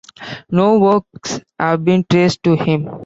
No works have been traced to him.